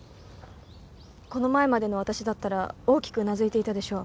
この前までの私だったら大きくうなずいていたでしょう。